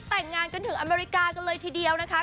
แต่งงานกันถึงอเมริกากันเลยทีเดียวนะคะ